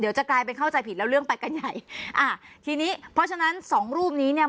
จะกลายเป็นเข้าใจผิดแล้วเรื่องไปกันใหญ่อ่าทีนี้เพราะฉะนั้นสองรูปนี้เนี่ย